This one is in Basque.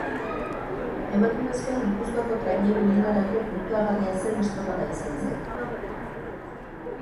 Emakumezkoen Gipuzkoako Traineru Ligarako puntuagarria zen estropada izan zen.